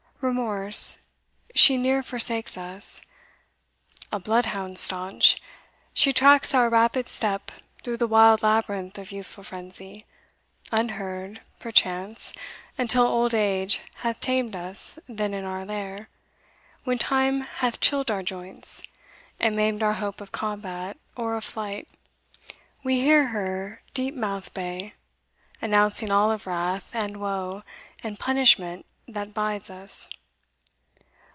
Remorse she neer forsakes us A bloodhound staunch she tracks our rapid step Through the wild labyrinth of youthful frenzy, Unheard, perchance, until old age hath tamed us Then in our lair, when Time hath chilled our joints, And maimed our hope of combat, or of flight, We hear her deep mouthed bay, announcing all Of wrath, and wo, and punishment that bides us.